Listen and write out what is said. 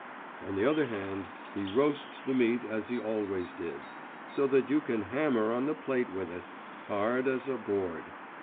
On the other hand, he roasts the meat as he always did, so that you can hammer on the plate with it hard as a board.